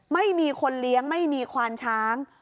ไม่มีคนเลี้ยงไม่มีควานช้าง